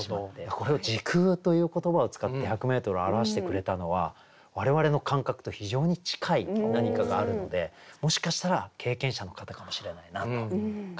これを「時空」という言葉を使って１００メートルを表してくれたのは我々の感覚と非常に近い何かがあるのでもしかしたら経験者の方かもしれないなと感じますよね。